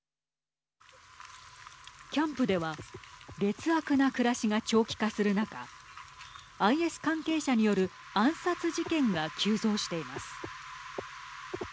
キャンプでは劣悪な暮らしが長期化する中ＩＳ関係者による暗殺事件が急増しています。